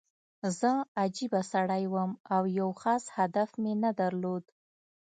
زه عجیبه سړی وم او یو خاص هدف مې نه درلود